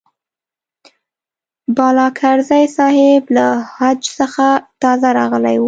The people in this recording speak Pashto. بالاکرزی صاحب له حج څخه تازه راغلی و.